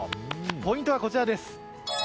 ポイントがこちらです。